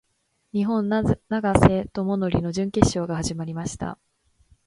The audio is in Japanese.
日本・永瀬貴規の準決勝が始まりました。